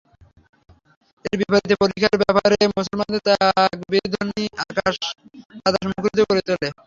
এর বিপরীতে পরিখার এপারে মুসলমানদের তাকবীরধ্বনি আকাশ-বাতাশ মুখরিত করে তোলে।